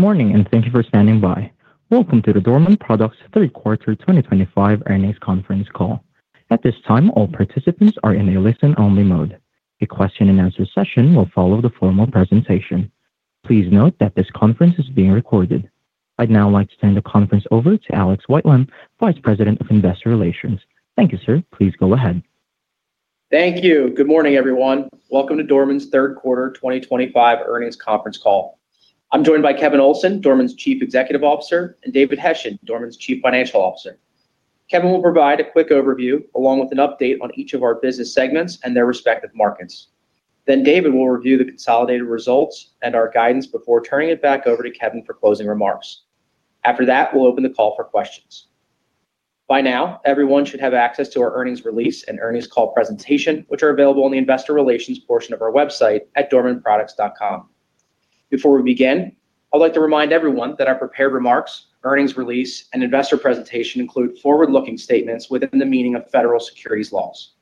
Good morning and thank you for standing by. Welcome to the Dorman Products Q3 2025 Earnings Conference Call. At this time, all participants are in a listen-only mode. A question-and-answer session will follow the formal presentation. Please note that this conference is being recorded. I'd now like to turn the conference over to Alexander Whitelam, Vice President of Investor Relations. Thank you, sir. Please go ahead. Thank you. Good morning, everyone. Welcome to Dorman Products' Q3 2025 Earnings Conference Call. I'm joined by Kevin Olsen, Dorman Products' Chief Executive Officer, and David Hession, Dorman Products' Chief Financial Officer. Kevin will provide a quick overview along with an update on each of our business segments and their respective markets. David will review the consolidated results and our guidance before turning it back over to Kevin for closing remarks. After that, we'll open the call for questions. By now, everyone should have access to our earnings release and earnings call presentation, which are available on the Investor Relations portion of our website at dormanproducts.com. Before we begin, I'd like to remind everyone that our prepared remarks, earnings release, and investor presentation include forward-looking statements within the meaning of federal securities laws.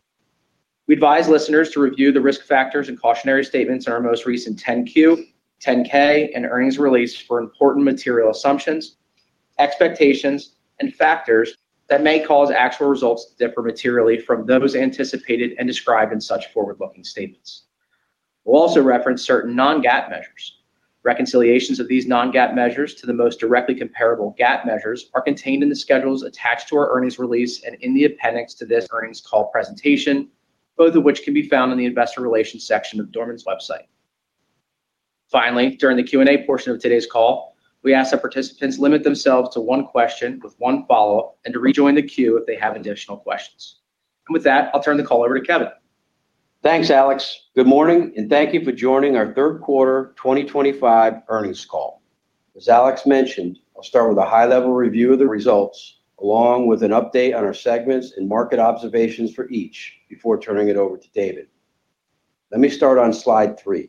We advise listeners to review the risk factors and cautionary statements in our most recent 10-Q, 10-K, and earnings release for important material assumptions, expectations, and factors that may cause actual results to differ materially from those anticipated and described in such forward-looking statements. We'll also reference certain non-GAAP measures. Reconciliations of these non-GAAP measures to the most directly comparable GAAP measures are contained in the schedules attached to our earnings release and in the appendix to this earnings call presentation, both of which can be found in the Investor Relations section of Dorman Products' website. Finally, during the Q&A portion of today's call, we ask that participants limit themselves to one question with one follow-up and to rejoin the queue if they have additional questions. With that, I'll turn the call over to Kevin. Thanks, Alex. Good morning and thank you for joining our Q3 2025 earnings call. As Alex mentioned, I'll start with a high-level review of the results, along with an update on our segments and market observations for each before turning it over to David. Let me start on slide three.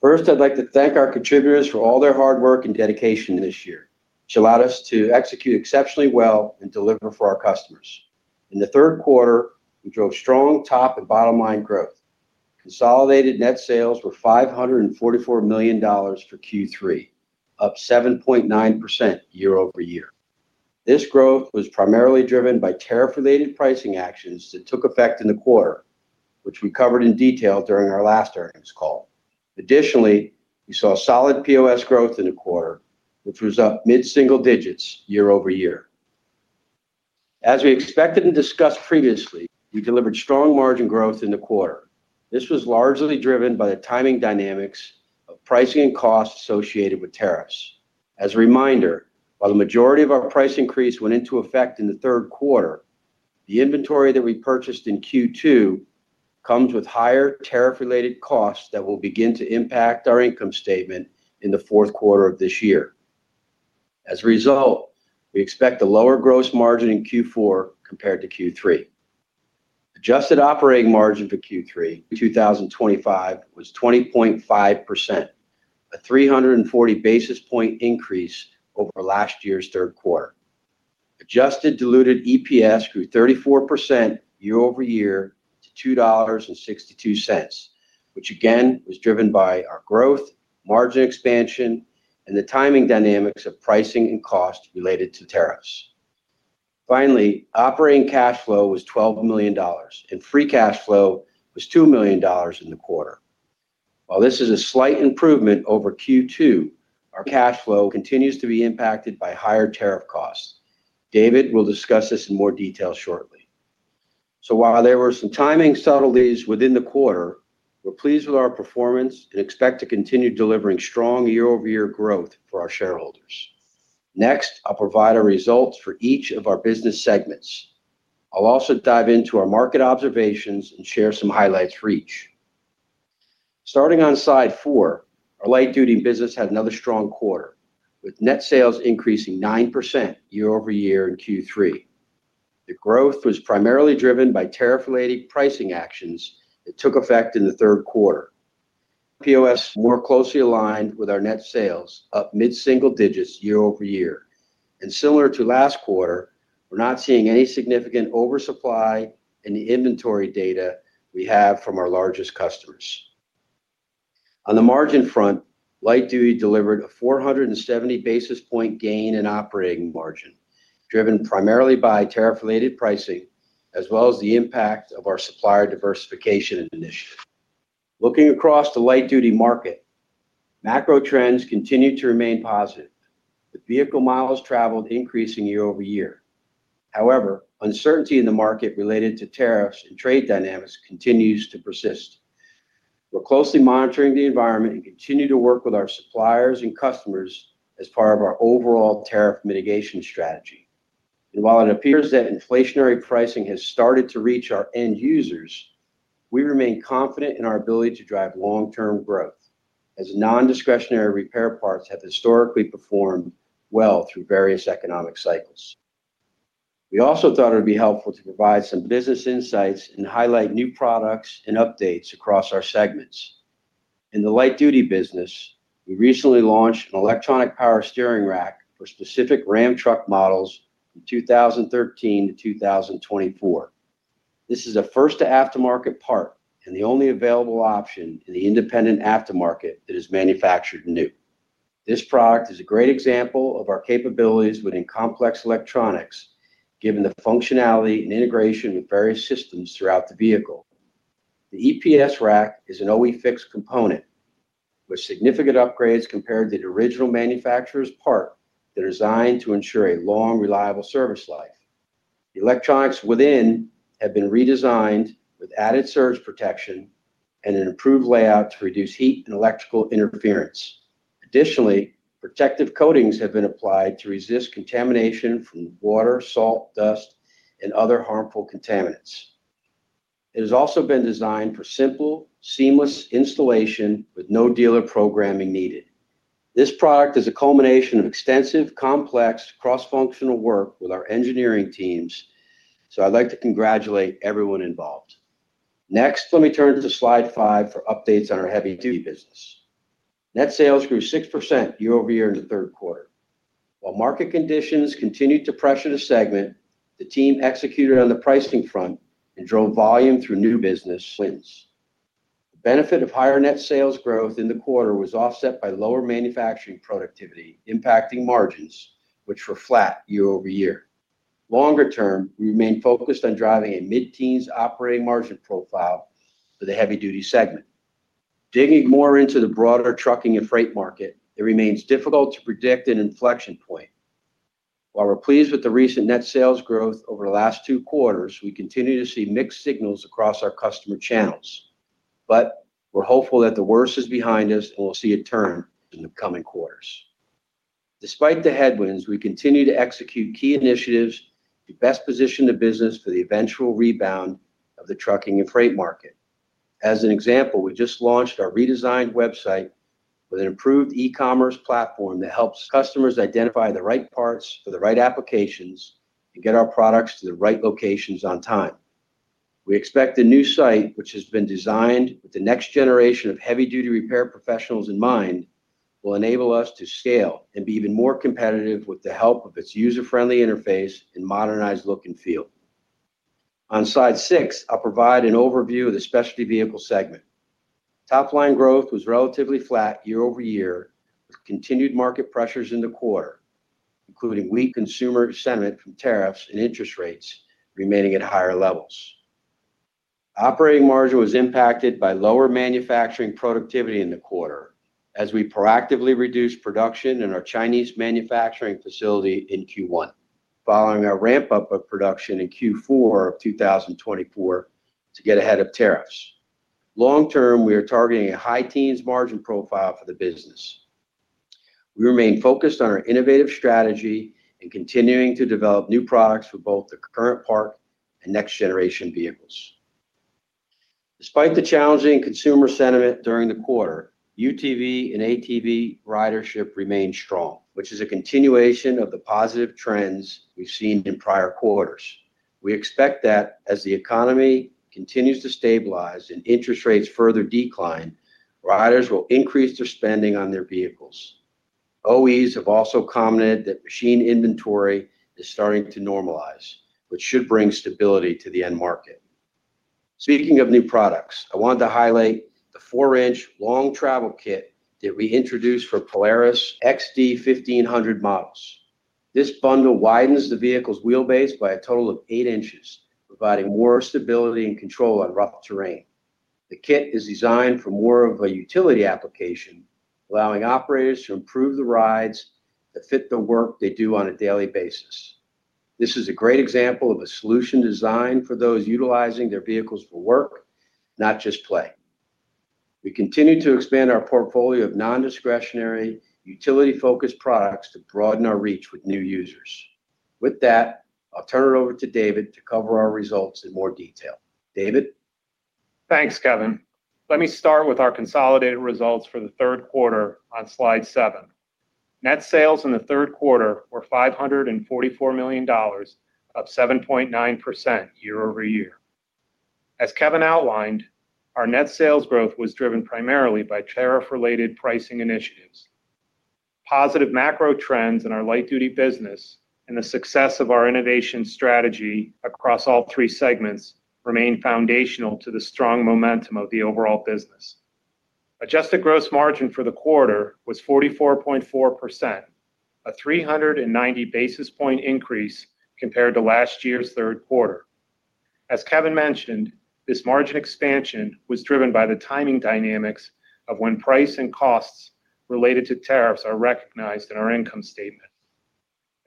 First, I'd like to thank our contributors for all their hard work and dedication this year, which allowed us to execute exceptionally well and deliver for our customers. In the third quarter, we drove strong top and bottom line growth. Consolidated net sales were $544 million for Q3, up 7.9% year-over-year. This growth was primarily driven by tariff-related pricing actions that took effect in the quarter, which we covered in detail during our last earnings call. Additionally, we saw solid POS growth in the quarter, which was up mid-single digits year-over-year. As we expected and discussed previously, we delivered strong margin growth in the quarter. This was largely driven by the timing dynamics of pricing and costs associated with tariffs. As a reminder, while the majority of our price increase went into effect in the third quarter, the inventory that we purchased in Q2 comes with higher tariff-related costs that will begin to impact our income statement in the fourth quarter of this year. As a result, we expect a lower gross margin in Q4 compared to Q3. Adjusted operating margin for Q3 2025 was 20.5%, a 340 basis point increase over last year's third quarter. Adjusted diluted EPS grew 34% year-over-year to $2.62, which again was driven by our growth, margin expansion, and the timing dynamics of pricing and costs related to tariffs. Finally, operating cash flow was $12 million, and free cash flow was $2 million in the quarter. While this is a slight improvement over Q2, our cash flow continues to be impacted by higher tariff costs. David will discuss this in more detail shortly. While there were some timing subtleties within the quarter, we're pleased with our performance and expect to continue delivering strong year-over-year growth for our shareholders. Next, I'll provide our results for each of our business segments. I'll also dive into our market observations and share some highlights for each. Starting on slide four, our light-duty business had another strong quarter, with net sales increasing 9% year-over-year in Q3. The growth was primarily driven by tariff-related pricing actions that took effect in the third quarter. POS more closely aligned with our net sales, up mid-single digits year-over-year. Similar to last quarter, we're not seeing any significant oversupply in the inventory data we have from our largest customers. On the margin front, light-duty delivered a 470 basis point gain in operating margin, driven primarily by tariff-related pricing, as well as the impact of our supplier diversification initiative. Looking across the light-duty market, macro trends continue to remain positive, with vehicle miles traveled increasing year-over-year. However, uncertainty in the market related to tariffs and trade dynamics continues to persist. We're closely monitoring the environment and continue to work with our suppliers and customers as part of our overall tariff mitigation strategy. While it appears that inflationary pricing has started to reach our end users, we remain confident in our ability to drive long-term growth, as non-discretionary repair parts have historically performed well through various economic cycles. We also thought it would be helpful to provide some business insights and highlight new products and updates across our segments. In the light-duty business, we recently launched an electronic power steering rack for specific Ram truck models from 2013-2024. This is a first-to-aftermarket part and the only available option in the independent aftermarket that is manufactured new. This product is a great example of our capabilities within complex electronics, given the functionality and integration with various systems throughout the vehicle. The EPS rack is an OE fixed component with significant upgrades compared to the original manufacturer's part that are designed to ensure a long, reliable service life. The electronics within have been redesigned with added surge protection and an improved layout to reduce heat and electrical interference. Additionally, protective coatings have been applied to resist contamination from water, salt, dust, and other harmful contaminants. It has also been designed for simple, seamless installation with no dealer programming needed. This product is a culmination of extensive, complex, cross-functional work with our engineering teams, so I'd like to congratulate everyone involved. Next, let me turn to slide five for updates on our heavy-duty business. Net sales grew 6% year-over-year in the third quarter. While market conditions continued to pressure the segment, the team executed on the pricing front and drove volume through new business lines. The benefit of higher net sales growth in the quarter was offset by lower manufacturing productivity impacting margins, which were flat year-over-year. Longer term, we remain focused on driving a mid-teens operating margin profile for the heavy-duty segment. Digging more into the broader trucking and freight market, it remains difficult to predict an inflection point. While we're pleased with the recent net sales growth over the last two quarters, we continue to see mixed signals across our customer channels. We're hopeful that the worst is behind us and we'll see a turn in the coming quarters. Despite the headwinds, we continue to execute key initiatives to best position the business for the eventual rebound of the trucking and freight market. As an example, we just launched our redesigned website with an improved e-commerce platform that helps customers identify the right parts for the right applications and get our products to the right locations on time. We expect the new site, which has been designed with the next generation of heavy-duty repair professionals in mind, will enable us to scale and be even more competitive with the help of its user-friendly interface and modernized look and feel. On slide six, I'll provide an overview of the specialty vehicle segment. Top line growth was relatively flat year-over-year with continued market pressures in the quarter, including weak consumer sentiment from tariffs and interest rates remaining at higher levels. Operating margin was impacted by lower manufacturing productivity in the quarter as we proactively reduced production in our Chinese manufacturing facility in Q1, following a ramp-up of production in Q4 of 2024 to get ahead of tariffs. Long term, we are targeting a high-teens margin profile for the business. We remain focused on our innovative strategy and continuing to develop new products for both the current part and next-generation vehicles. Despite the challenging consumer sentiment during the quarter, UTV and ATV ridership remains strong, which is a continuation of the positive trends we've seen in prior quarters. We expect that as the economy continues to stabilize and interest rates further decline, riders will increase their spending on their vehicles. OEs have also commented that machine inventory is starting to normalize, which should bring stability to the end market. Speaking of new products, I wanted to highlight the four-inch long travel kit that we introduced for Polaris XD 1500 models. This bundle widens the vehicle's wheelbase by a total of eight inches, providing more stability and control on rough terrain. The kit is designed for more of a utility application, allowing operators to improve the rides that fit the work they do on a daily basis. This is a great example of a solution designed for those utilizing their vehicles for work, not just play. We continue to expand our portfolio of non-discretionary, utility-focused products to broaden our reach with new users. With that, I'll turn it over to David to cover our results in more detail. David? Thanks, Kevin. Let me start with our consolidated results for the third quarter on slide seven. Net sales in the third quarter were $544 million, up 7.9% year-over-year. As Kevin outlined, our net sales growth was driven primarily by tariff-related pricing initiatives. Positive macro trends in our light-duty business and the success of our innovation strategy across all three segments remain foundational to the strong momentum of the overall business. Adjusted gross margin for the quarter was 44.4%, a 390 basis point increase compared to last year's third quarter. As Kevin mentioned, this margin expansion was driven by the timing dynamics of when price and costs related to tariffs are recognized in our income statement.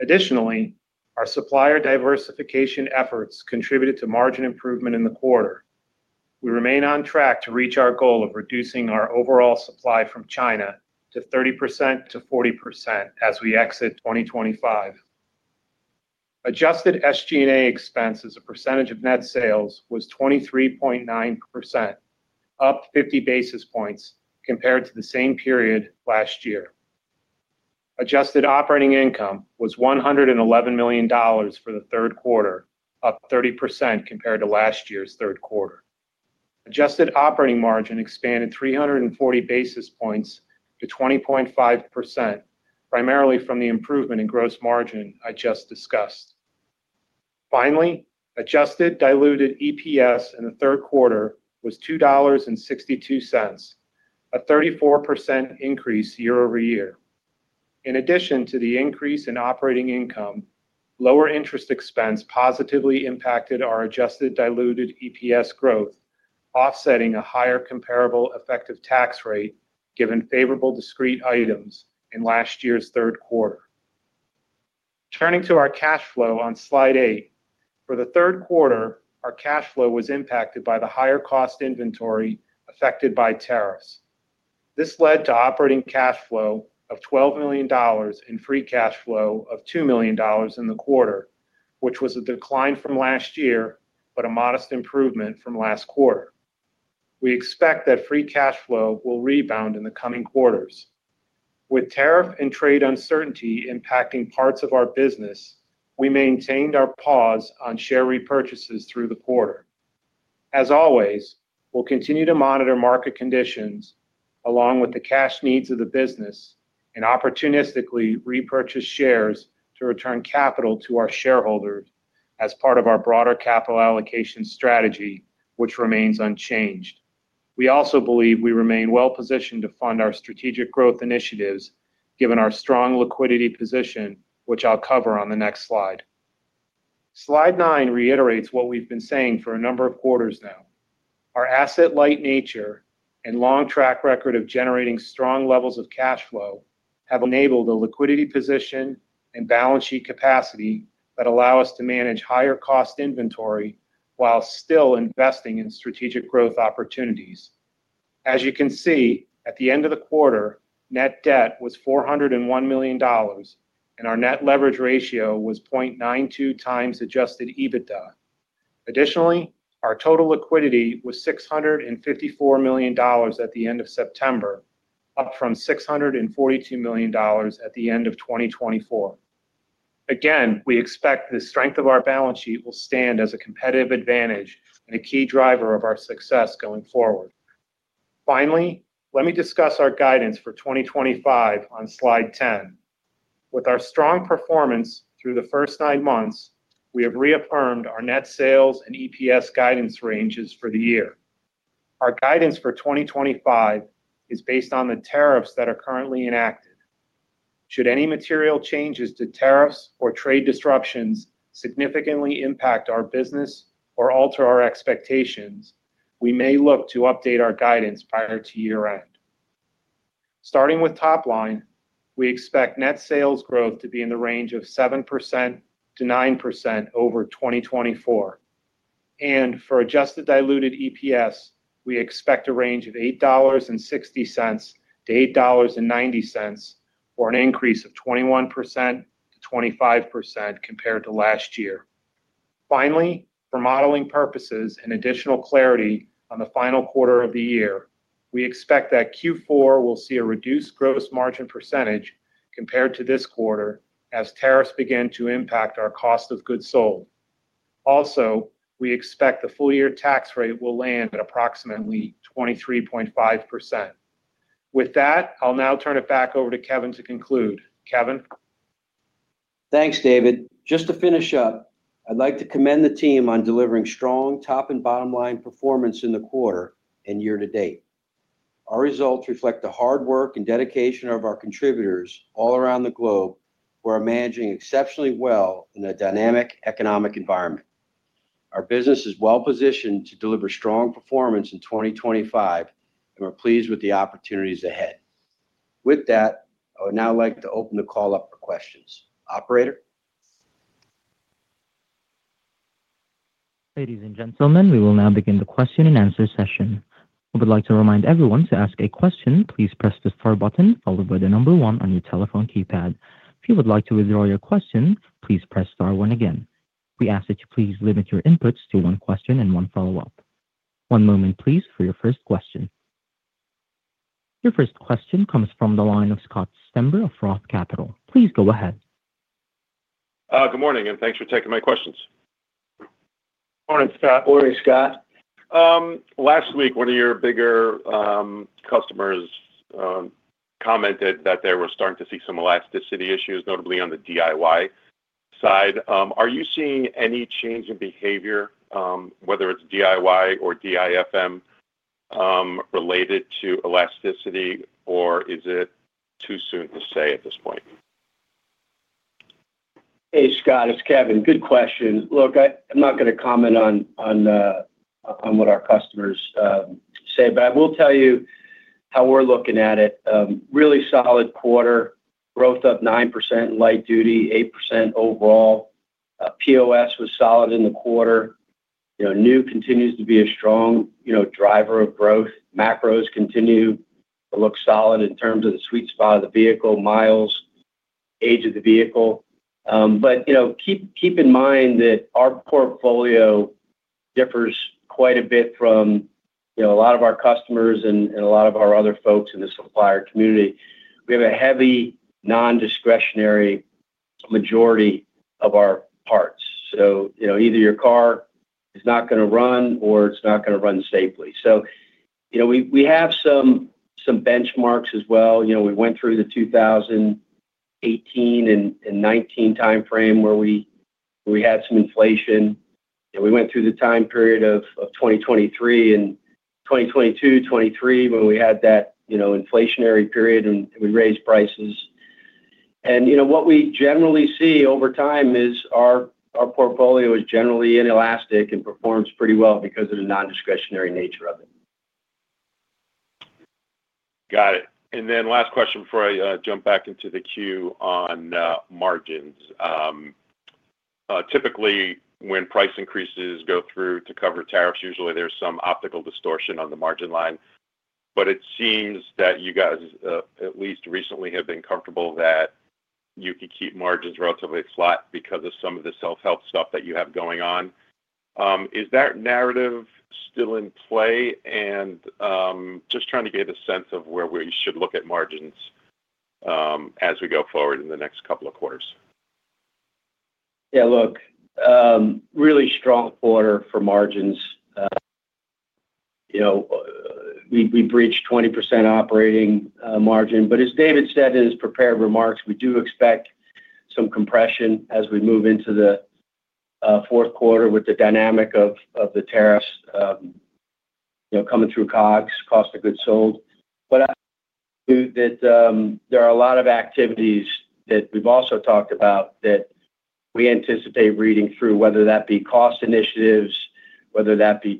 Additionally, our supplier diversification efforts contributed to margin improvement in the quarter. We remain on track to reach our goal of reducing our overall supply from China to 30%-40% as we exit 2025. Adjusted SG&A expenses, a percentage of net sales, was 23.9%, up 50 basis points compared to the same period last year. Adjusted operating income was $111 million for the third quarter, up 30% compared to last year's third quarter. Adjusted operating margin expanded 340 basis points to 20.5%, primarily from the improvement in gross margin I just discussed. Finally, Adjusted diluted EPS in the third quarter was $2.62, a 34% increase year-over-year. In addition to the increase in operating income, lower interest expense positively impacted our Adjusted diluted EPS growth, offsetting a higher comparable effective tax rate given favorable discrete items in last year's third quarter. Turning to our cash flow on slide eight. For the third quarter, our cash flow was impacted by the higher cost inventory affected by tariffs. This led to operating cash flow of $12 million and free cash flow of $2 million in the quarter, which was a decline from last year but a modest improvement from last quarter. We expect that free cash flow will rebound in the coming quarters. With tariff and trade uncertainty impacting parts of our business, we maintained our pause on share repurchases through the quarter. As always, we'll continue to monitor market conditions along with the cash needs of the business and opportunistically repurchase shares to return capital to our shareholders as part of our broader capital allocation strategy, which remains unchanged. We also believe we remain well-positioned to fund our strategic growth initiatives given our strong liquidity position, which I'll cover on the next slide. Slide nine reiterates what we've been saying for a number of quarters now. Our asset-light nature and long track record of generating strong levels of cash flow have enabled a liquidity position and balance sheet capacity that allow us to manage higher cost inventory while still investing in strategic growth opportunities. As you can see, at the end of the quarter, net debt was $401 million and our net leverage ratio was 0.92x adjusted EBITDA. Additionally, our total liquidity was $654 million at the end of September, up from $642 million at the end of 2024. Again, we expect the strength of our balance sheet will stand as a competitive advantage and a key driver of our success going forward. Finally, let me discuss our guidance for 2025 on slide 10. With our strong performance through the first nine months, we have reaffirmed our net sales and EPS guidance ranges for the year. Our guidance for 2025 is based on the tariffs that are currently enacted. Should any material changes to tariffs or trade disruptions significantly impact our business or alter our expectations, we may look to update our guidance prior to year-end. Starting with top line, we expect net sales growth to be in the range of 7%-9% over 2024. For adjusted diluted EPS, we expect a range of $8.60-$8.90 or an increase of 21%-25% compared to last year. Finally, for modeling purposes and additional clarity on the final quarter of the year, we expect that Q4 will see a reduced gross margin percentage compared to this quarter as tariffs begin to impact our cost of goods sold. We also expect the full-year tax rate will land at approximately 23.5%. With that, I'll now turn it back over to Kevin to conclude. Kevin? Thanks, David. Just to finish up, I'd like to commend the team on delivering strong top and bottom line performance in the quarter and year to date. Our results reflect the hard work and dedication of our contributors all around the globe, who are managing exceptionally well in a dynamic economic environment. Our business is well-positioned to deliver strong performance in 2025, and we're pleased with the opportunities ahead. With that, I would now like to open the call up for questions. Operator? Ladies and gentlemen, we will now begin the question-and-answer session. I would like to remind everyone to ask a question. Please press the star button followed by the number one on your telephone keypad. If you would like to withdraw your question, please press star one again. We ask that you please limit your inputs to one question and one follow-up. One moment, please, for your first question. Your first question comes from the line of Scott Stember of ROTH Capital Partners. Please go ahead. Good morning, and thanks for taking my questions. Morning, Scott. Morning, Scott. Last week, one of your bigger customers commented that they were starting to see some elasticity issues, notably on the DIY side. Are you seeing any change in behavior, whether it's DIY or DIFM, related to elasticity, or is it too soon to say at this point? Hey, Scott. It's Kevin. Good question. Look, I'm not going to comment on what our customers say, but I will tell you how we're looking at it. Really solid quarter. Growth up 9% in light duty, 8% overall. POS was solid in the quarter. You know, new continues to be a strong driver of growth. Macros continue to look solid in terms of the sweet spot of the vehicle, miles, age of the vehicle. You know, keep in mind that our portfolio differs quite a bit from a lot of our customers and a lot of our other folks in the supplier community. We have a heavy non-discretionary majority of our parts. So, you know, either your car is not going to run or it's not going to run safely. We have some benchmarks as well. We went through the 2018 and 2019 timeframe where we had some inflation. We went through the time period of 2023 and 2022-2023 when we had that inflationary period and we raised prices. What we generally see over time is our portfolio is generally inelastic and performs pretty well because of the non-discretionary nature of it. Got it. Last question before I jump back into the queue on margins. Typically, when price increases go through to cover tariffs, usually there's some optical distortion on the margin line. It seems that you guys, at least recently, have been comfortable that you can keep margins relatively flat because of some of the self-help stuff that you have going on. Is that narrative still in play? I'm just trying to get a sense of where we should look at margins as we go forward in the next couple of quarters. Yeah, look, really strong quarter for margins. We breached 20% operating margin. As David said in his prepared remarks, we do expect some compression as we move into the fourth quarter with the dynamic of the tariffs coming through COGS, cost of goods sold. There are a lot of activities that we've also talked about that we anticipate reading through, whether that be cost initiatives or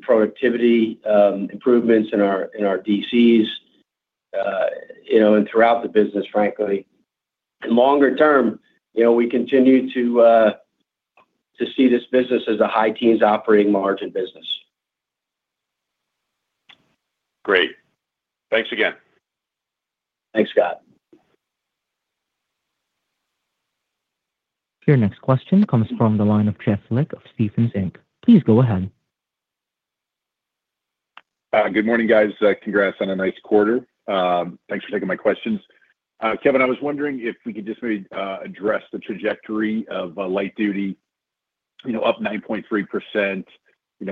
productivity improvements in our DCs and throughout the business, frankly. Longer term, we continue to see this business as a high-teens operating margin business. Great, thanks again. Thanks, Scott. Your next question comes from the line of Jeff Lick of Stephens. Please go ahead. Good morning, guys. Congrats on a nice quarter. Thanks for taking my questions. Kevin, I was wondering if we could just maybe address the trajectory of light-duty, up 9.3%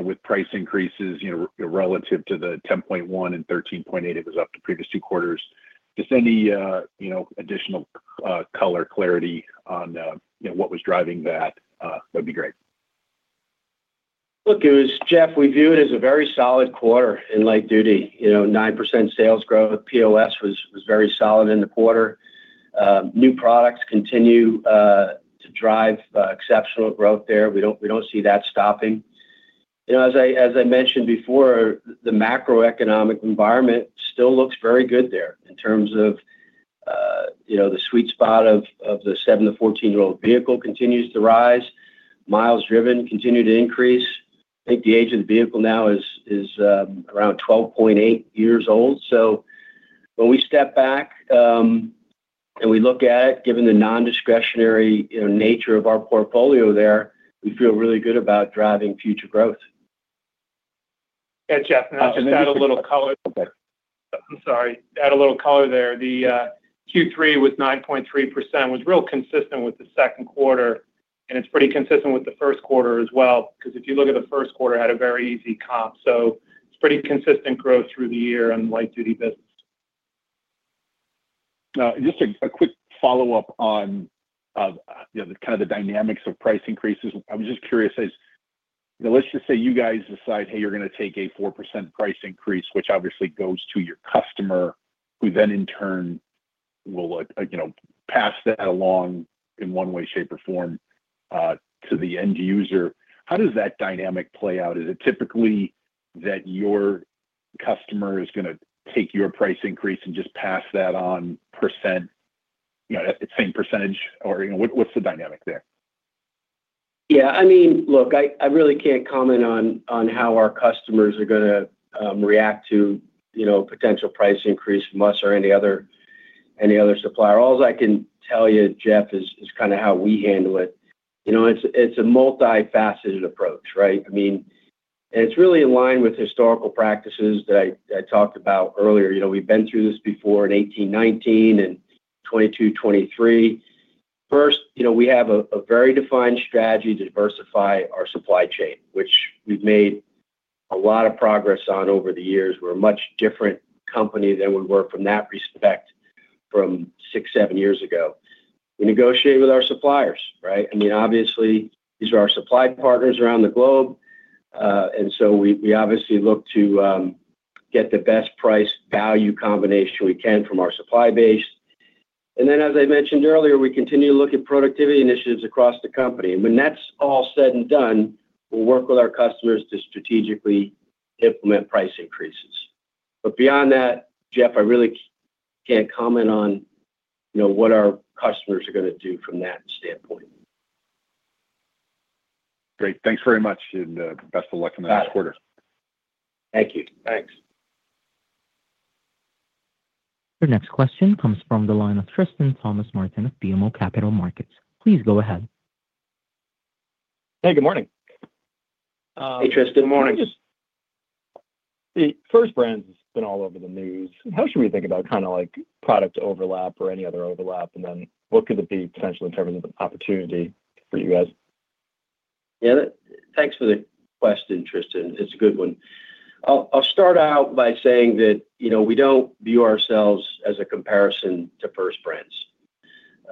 with price increases, relative to the 10.1% and 13.8% it was up the previous two quarters. Any additional color or clarity on what was driving that would be great. Look, it was Jeff, we view it as a very solid quarter in light duty. You know, 9% sales growth, POS was very solid in the quarter. New products continue to drive exceptional growth there. We don't see that stopping. As I mentioned before, the macroeconomic environment still looks very good there in terms of the sweet spot of the 7-14 year old vehicle continues to rise. Miles driven continue to increase. I think the age of the vehicle now is around 12.8 years old. When we step back and we look at it, given the non-discretionary nature of our portfolio there, we feel really good about driving future growth. Can I just add a little color? Okay. Add a little color there. The Q3 was 9.3%, was real consistent with the second quarter, and it's pretty consistent with the first quarter as well, because if you look at the first quarter, it had a very easy comp. It's pretty consistent growth through the year on the light-duty business. Just a quick follow-up on the dynamics of price increases. I was just curious, as you know, let's just say you guys decide, hey, you're going to take a 4% price increase, which obviously goes to your customer, who then in turn will pass that along in one way, shape, or form to the end user. How does that dynamic play out? Is it typically that your customer is going to take your price increase and just pass that on at the same percentage? Or what's the dynamic there? Yeah, I mean, look, I really can't comment on how our customers are going to react to, you know, a potential price increase from us or any other supplier. All I can tell you, Jeff, is kind of how we handle it. You know, it's a multifaceted approach, right? I mean, it's really in line with historical practices that I talked about earlier. We've been through this before in 2018, 2019, and 2022, 2023. First, we have a very defined strategy to diversify our supply chain, which we've made a lot of progress on over the years. We're a much different company than we were from that respect from six, seven years ago. We negotiate with our suppliers, right? Obviously, these are our supply partners around the globe, and so we obviously look to get the best price-value combination we can from our supply base. As I mentioned earlier, we continue to look at productivity initiatives across the company. When that's all said and done, we'll work with our customers to strategically implement price increases. Beyond that, Jeff, I really can't comment on what our customers are going to do from that standpoint. Great. Thanks very much, and best of luck in the next quarter. Thank you. Thanks. Your next question comes from the line of Tristan Thomas of BMO Capital Markets. Please go ahead. Hey, good morning. Hey, Tristan. Good morning. The first brand has been all over the news. How should we think about kind of like product overlap or any other overlap? What could it be potentially in terms of an opportunity for you guys? Yeah, thanks for the question, Tristan. It's a good one. I'll start out by saying that we don't view ourselves as a comparison to First Brands.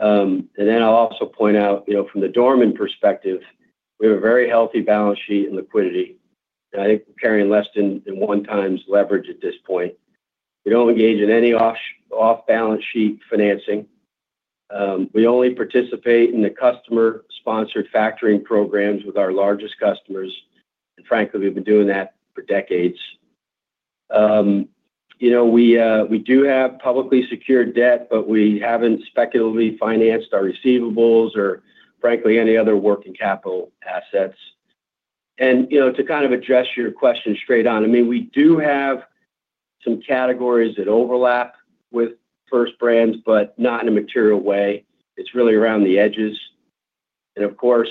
I'll also point out, from the Dorman perspective, we have a very healthy balance sheet and liquidity. I think we're carrying less than one times leverage at this point. We don't engage in any off-balance sheet financing. We only participate in the customer-sponsored factoring programs with our largest customers. Frankly, we've been doing that for decades. We do have publicly secured debt, but we haven't speculatively financed our receivables or any other working capital assets. To address your question straight on, we do have some categories that overlap with First Brands, but not in a material way. It's really around the edges. Of course,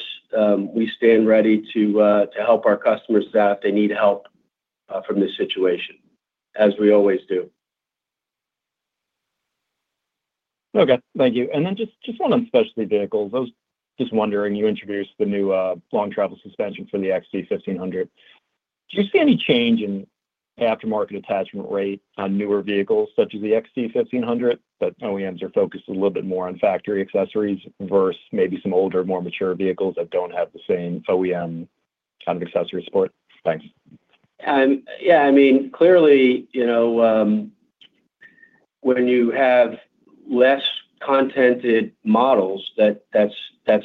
we stand ready to help our customers out if they need help from this situation, as we always do. Okay. Thank you. Just one on specialty vehicles. I was just wondering, you introduced the new long travel suspension for the Polaris XD 1500. Do you see any change in aftermarket attachment rate on newer vehicles such as the Polaris XD 1500 that OEMs are focused a little bit more on factory accessories versus maybe some older, more mature vehicles that don't have the same OEM kind of accessory support? Thanks. Yeah, I mean, clearly, when you have less contented models, that's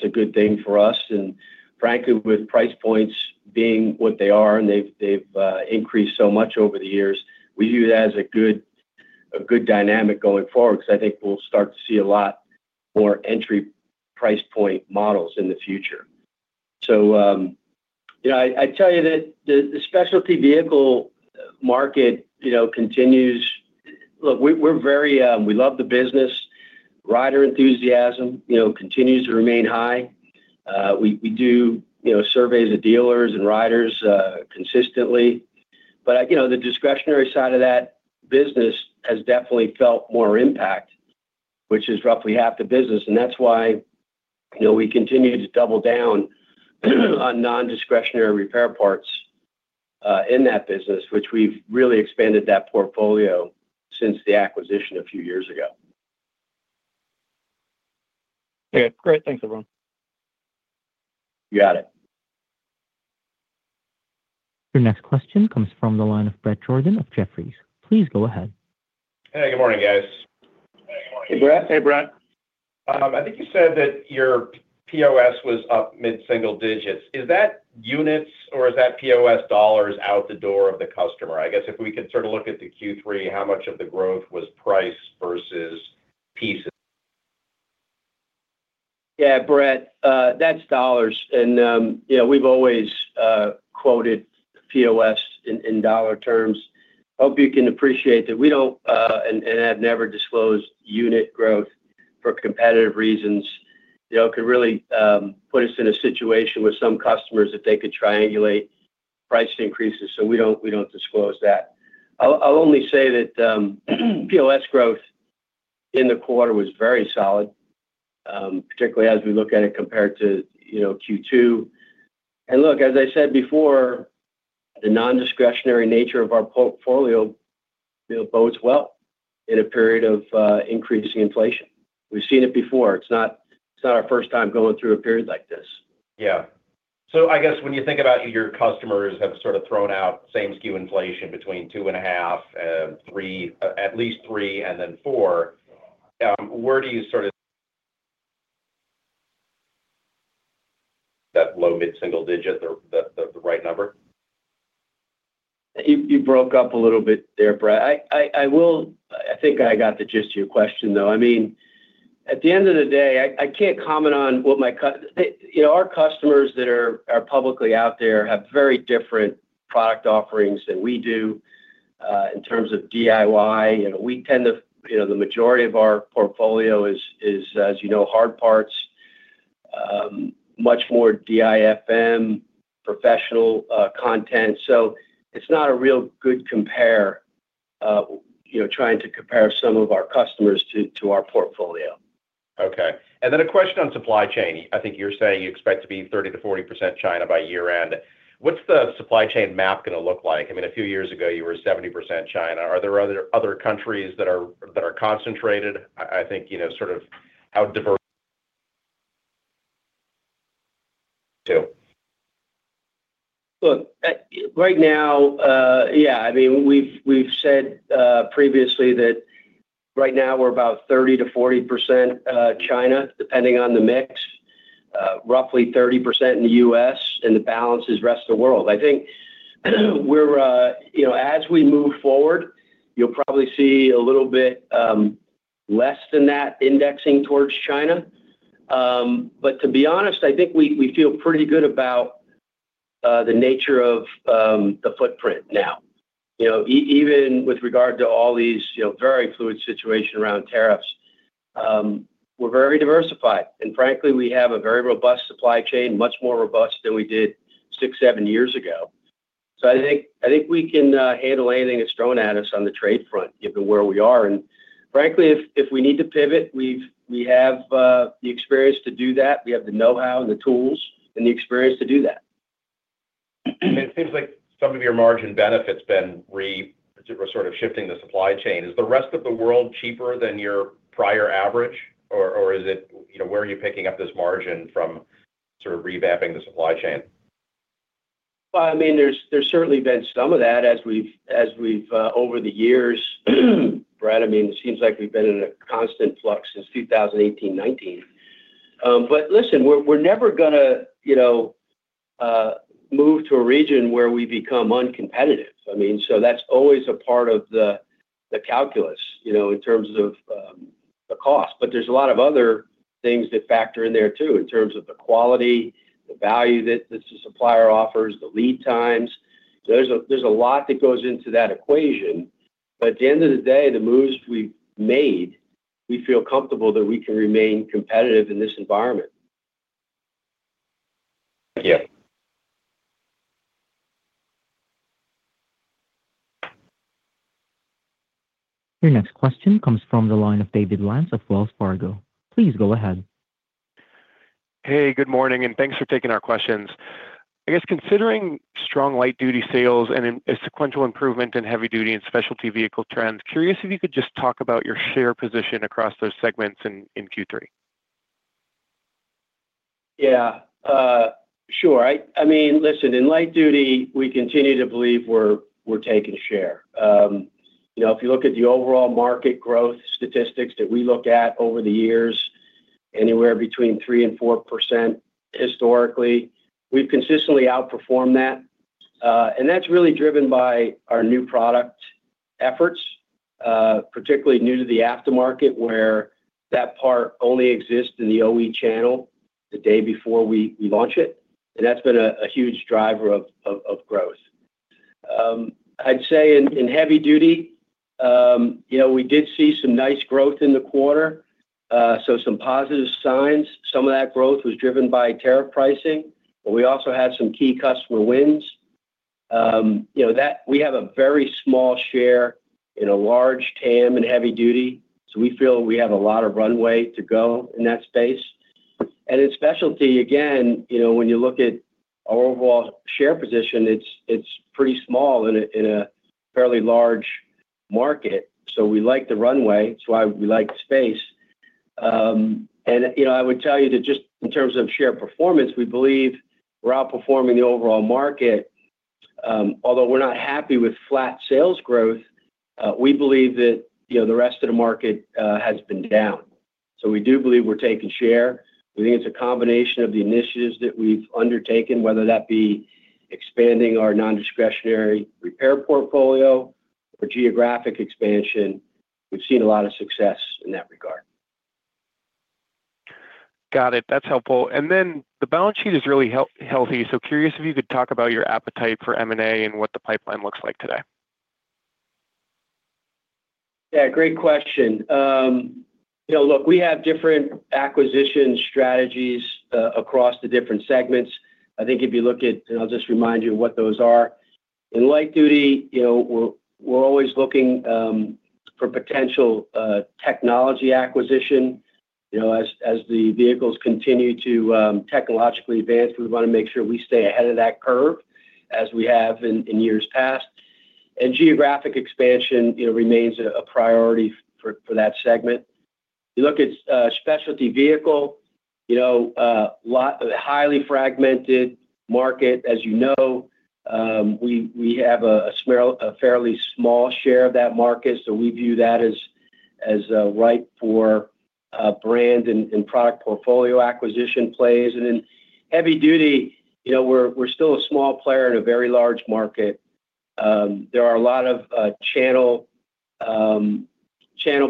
a good thing for us. Frankly, with price points being what they are and they've increased so much over the years, we view that as a good dynamic going forward because I think we'll start to see a lot more entry price point models in the future. I tell you that the specialty vehicle market continues. Look, we're very, we love the business. Rider enthusiasm continues to remain high. We do surveys of dealers and riders consistently. The discretionary side of that business has definitely felt more impact, which is roughly half the business. That's why we continue to double down on non-discretionary repair parts in that business, which we've really expanded that portfolio since the acquisition a few years ago. Okay. Great. Thanks, everyone. You got it. Your next question comes from the line of Bret Jordan of Jefferies. Please go ahead. Hey, good morning, guys. Hey, good morning. Hey, Bret. I think you said that your POS was up mid-single digits. Is that units or is that POS dollars out the door of the customer? I guess if we could sort of look at the Q3, how much of the growth was price versus pieces? Yeah, Bret, that's dollars. We've always quoted POS in dollar terms. I hope you can appreciate that we don't, and have never, disclosed unit growth for competitive reasons. It could really put us in a situation with some customers that they could triangulate price increases. We don't disclose that. I'll only say that POS growth in the quarter was very solid, particularly as we look at it compared to Q2. As I said before, the non-discretionary nature of our portfolio bodes well in a period of increasing inflation. We've seen it before. It's not our first time going through a period like this. Yeah. When you think about your customers have sort of thrown out same-skew inflation between 2.5% and 3%, at least 3%, and then 4%, where do you sort of that low mid-single digit or the right number? You broke up a little bit there, Bret. I think I got the gist of your question, though. At the end of the day, I can't comment on what my, you know, our customers that are publicly out there have very different product offerings than we do in terms of DIY. We tend to, you know, the majority of our portfolio is, as you know, hard parts, much more DIFM professional content. It's not a real good compare, trying to compare some of our customers to our portfolio. Okay. A question on supply chain. I think you're saying you expect to be 30%-40% China by year-end. What's the supply chain map going to look like? A few years ago, you were 70% China. Are there other countries that are concentrated? I think, you know, sort of how diverse. Right now, we've said previously that we're about 30%-40% China, depending on the mix, roughly 30% in the U.S., and the balance is the rest of the world. As we move forward, you'll probably see a little bit less than that indexing towards China. To be honest, we feel pretty good about the nature of the footprint now. Even with regard to all these very fluid situations around tariffs, we're very diversified. Frankly, we have a very robust supply chain, much more robust than we did six or seven years ago. I think we can handle anything that's thrown at us on the trade front, given where we are. Frankly, if we need to pivot, we have the experience to do that. We have the know-how and the tools and the experience to do that. It seems like some of your margin benefits have been sort of shifting the supply chain. Is the rest of the world cheaper than your prior average, or is it, you know, where are you picking up this margin from sort of revamping the supply chain? There has certainly been some of that as we've, as we've over the years, Bret. It seems like we've been in a constant flux since 2018, 2019. We're never going to, you know, move to a region where we become uncompetitive. That's always a part of the calculus, you know, in terms of the cost. There are a lot of other things that factor in there too, in terms of the quality, the value that the supplier offers, the lead times. There's a lot that goes into that equation. At the end of the day, the moves we've made, we feel comfortable that we can remain competitive in this environment. Thank you. Your next question comes from the line of David Lance Hays of Wells Fargo. Please go ahead. Hey, good morning, and thanks for taking our questions. I guess considering strong light-duty sales and a sequential improvement in heavy-duty and specialty vehicle trends, curious if you could just talk about your share position across those segments in Q3. Yeah. Sure. I mean, listen, in light-duty, we continue to believe we're taking share. If you look at the overall market growth statistics that we look at over the years, anywhere between 3% and 4% historically, we've consistently outperformed that. That's really driven by our new product efforts, particularly new to the aftermarket, where that part only exists in the OE channel the day before we launch it. That's been a huge driver of growth. I'd say in heavy-duty, we did see some nice growth in the quarter. Some positive signs. Some of that growth was driven by tariff pricing, but we also had some key customer wins. We have a very small share in a large TAM in heavy-duty. We feel we have a lot of runway to go in that space. In specialty, again, when you look at our overall share position, it's pretty small in a fairly large market. We like the runway. It's why we like the space. I would tell you that just in terms of share performance, we believe we're outperforming the overall market. Although we're not happy with flat sales growth, we believe that the rest of the market has been down. We do believe we're taking share. We think it's a combination of the initiatives that we've undertaken, whether that be expanding our non-discretionary repair portfolio or geographic expansion. We've seen a lot of success in that regard. Got it. That's helpful. The balance sheet is really healthy. Curious if you could talk about your appetite for M&A and what the pipeline looks like today. Yeah, great question. You know, look, we have different acquisition strategies across the different segments. I think if you look at, and I'll just remind you of what those are. In light-duty, you know, we're always looking for potential technology acquisition. You know, as the vehicles continue to technologically advance, we want to make sure we stay ahead of that curve as we have in years past. Geographic expansion, you know, remains a priority for that segment. You look at specialty vehicle, you know, a lot of highly fragmented market. As you know, we have a fairly small share of that market. We view that as ripe for brand and product portfolio acquisition plays. In heavy-duty, you know, we're still a small player in a very large market. There are a lot of channel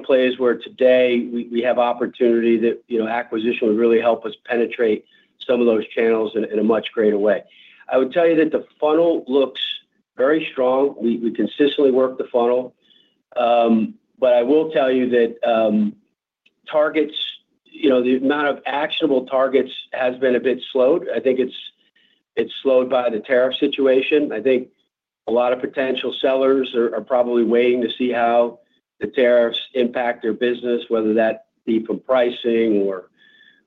plays where today we have opportunity that, you know, acquisition would really help us penetrate some of those channels in a much greater way. I would tell you that the funnel looks very strong. We consistently work the funnel. I will tell you that targets, you know, the amount of actionable targets has been a bit slowed. I think it's slowed by the tariff situation. I think a lot of potential sellers are probably waiting to see how the tariffs impact their business, whether that be from pricing or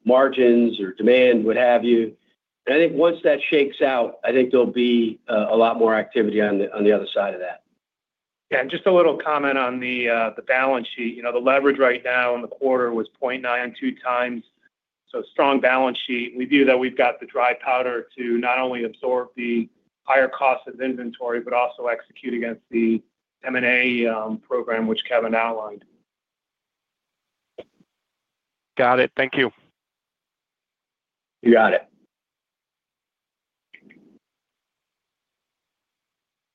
margins or demand, what have you. I think once that shakes out, I think there'll be a lot more activity on the other side of that. Yeah, just a little comment on the balance sheet. You know, the leverage right now in the quarter was 0.92x. Strong balance sheet. We view that we've got the dry powder to not only absorb the higher cost of inventory, but also execute against the M&A program, which Kevin outlined. Got it. Thank you. You got it.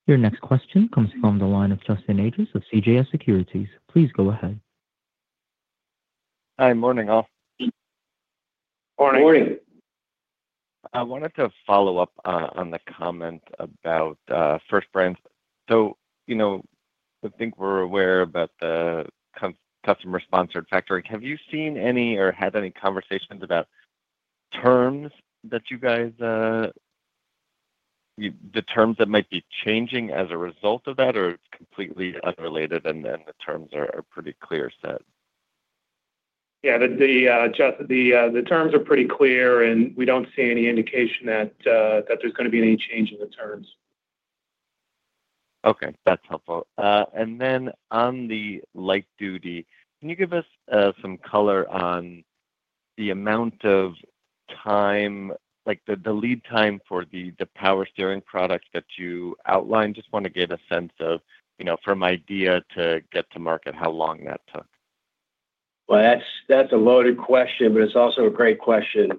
Your next question comes from the line of Justin Ages of CJS Securities. Please go ahead. Hi, morning all. Morning. Morning. I wanted to follow up on the comment about first brands. I think we're aware about the customer-sponsored factory. Have you seen any or had any conversations about the terms that you guys, the terms that might be changing as a result of that, or completely unrelated and the terms are pretty clear set? Yeah, the terms are pretty clear, and we don't see any indication that there's going to be any change in the terms. Okay, that's helpful. On the light-duty, can you give us some color on the amount of time, like the lead time for the power steering product that you outlined? I just want to get a sense of, you know, from idea to get to market, how long that took. That's a loaded question, but it's also a great question.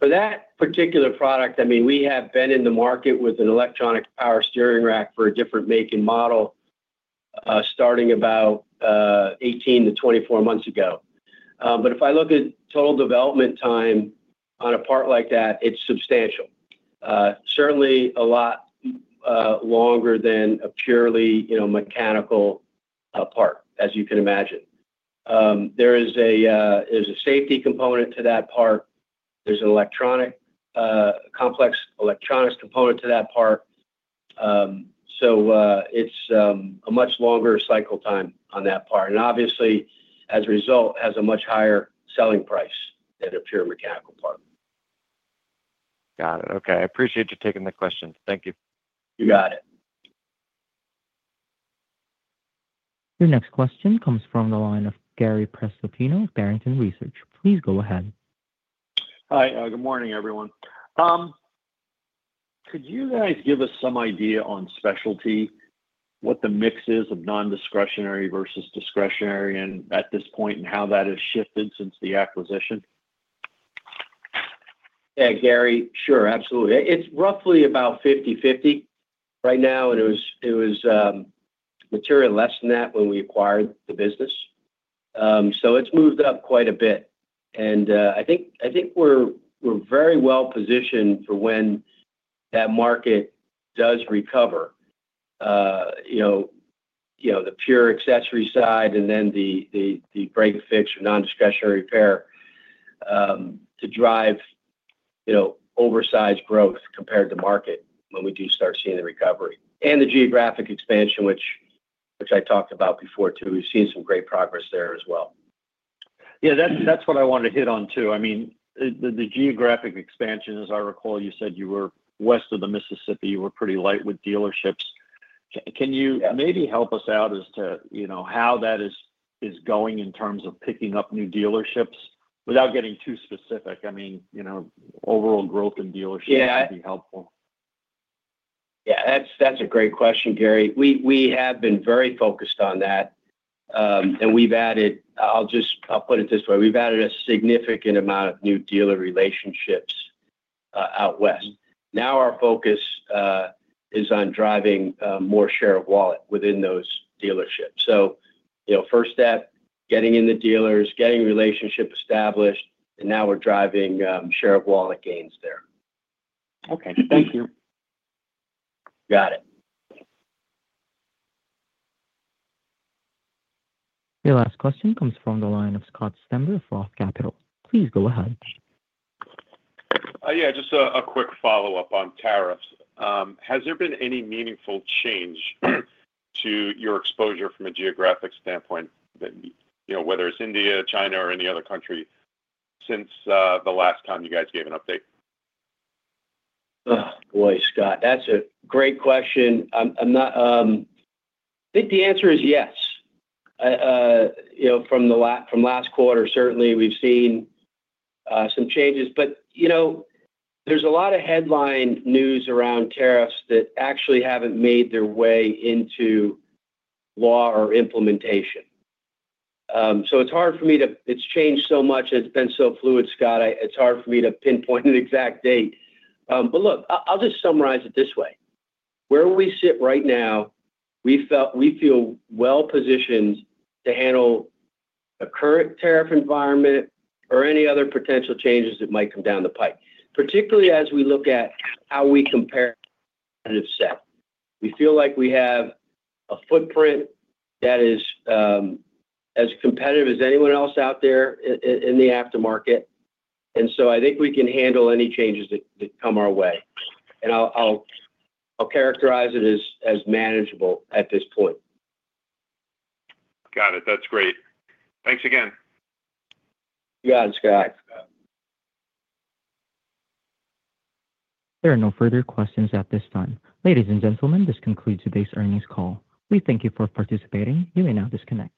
For that particular product, I mean, we have been in the market with an electronic power steering rack for a different make and model, starting about 18-24 months ago. If I look at total development time on a part like that, it's substantial. Certainly a lot longer than a purely, you know, mechanical part, as you can imagine. There's a safety component to that part. There's a complex electronics component to that part. It's a much longer cycle time on that part. Obviously, as a result, it has a much higher selling price than a pure mechanical part. Got it. Okay, I appreciate you taking the question. Thank you. You got it. Your next question comes from the line of Gary Prestopino of Barrington Research. Please go ahead. Hi. Good morning, everyone. Could you guys give us some idea on specialty, what the mix is of non-discretionary versus discretionary at this point, and how that has shifted since the acquisition? Yeah, Gary, sure. Absolutely. It's roughly about 50/50 right now. It was materially less than that when we acquired the business, so it's moved up quite a bit. I think we're very well positioned for when that market does recover. You know, the pure accessory side and then the break/fix or non-discretionary repair to drive, you know, oversized growth compared to market when we do start seeing the recovery. The geographic expansion, which I talked about before too, we've seen some great progress there as well. Yeah, that's what I wanted to hit on too. The geographic expansion, as I recall, you said you were west of the Mississippi. You were pretty light with dealerships. Can you maybe help us out as to how that is going in terms of picking up new dealerships? Without getting too specific, overall growth in dealerships would be helpful. Yeah, that's a great question, Gary. We have been very focused on that. We've added a significant amount of new dealer relationships out west. Now our focus is on driving more share of wallet within those dealerships. The first step is getting in the dealers, getting relationships established, and now we're driving share of wallet gains there. Okay, thank you. Got it. Your last question comes from the line of Scott Stember of ROTH Capital Partners. Please go ahead. Yeah, just a quick follow-up on tariffs. Has there been any meaningful change to your exposure from a geographic standpoint, you know, whether it's China or any other country since the last time you guys gave an update? Scott, that's a great question. I think the answer is yes. From the last quarter, certainly, we've seen some changes. There's a lot of headline news around tariffs that actually haven't made their way into law or implementation. It's changed so much and it's been so fluid, Scott, it's hard for me to pinpoint an exact date. I'll just summarize it this way. Where we sit right now, we feel well-positioned to handle the current tariff environment or any other potential changes that might come down the pike, particularly as we look at how we compare to the competitive set. We feel like we have a footprint that is as competitive as anyone else out there in the aftermarket. I think we can handle any changes that come our way. I'll characterize it as manageable at this point. Got it. That's great. Thanks again. You got it, Scott. Thanks, Scott. There are no further questions at this time. Ladies and gentlemen, this concludes today's earnings call. We thank you for participating. You may now disconnect.